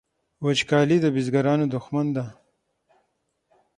وچکالي د بزګرانو دښمن ده